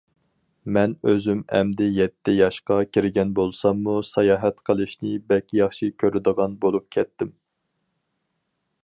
مەن ئۆزۈم ئەمدى يەتتە ياشقا كىرگەن بولساممۇ ساياھەت قىلىشنى بەك ياخشى كۆرىدىغان بولۇپ كەتتىم.